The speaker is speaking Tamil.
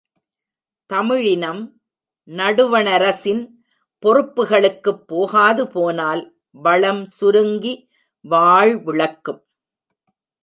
தமிழினம், நடுவணரசின் பொறுப்புகளுக்குப் போகாது போனால் வளம் சுருங்கி வாழ்விழக்கும்.